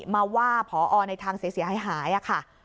มาว่าพอในทางเสียหายค่ะ